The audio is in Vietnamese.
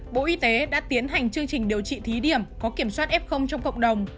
bộ y tế đã tiến hành chương trình điều trị thí điểm có kiểm soát f trong cộng đồng